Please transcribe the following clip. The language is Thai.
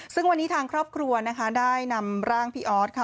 ซึ่งวันนี้ทางครอบครัวนะคะได้นำร่างพี่ออสค่ะ